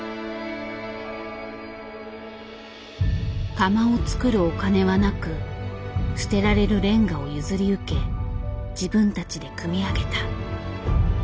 窯を作るお金はなく捨てられるレンガを譲り受け自分たちで組み上げた。